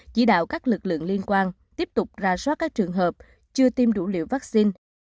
chỉ đạo các lực lượng liên quan tiếp tục ra soát các trường hợp chưa tiêm đủ liều vaccine